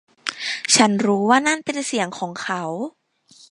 ฉันรู้ว่านั่นเป็นเสียงของเขา